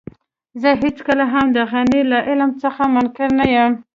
زه هېڅکله هم د غني له علم څخه منکر نه يم.